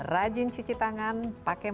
rajin cuci tangan pakai